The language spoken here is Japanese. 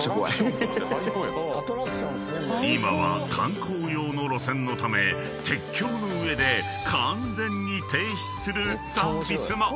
［今は観光用の路線のため鉄橋の上で完全に停止するサービスも］